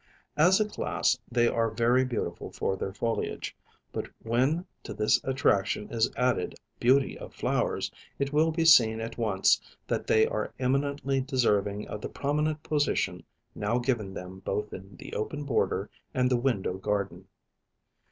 As a class they are very beautiful for their foliage, but when to this attraction is added beauty of flowers, it will be seen at once that they are eminently deserving of the prominent position now given them both in the open border and the window garden.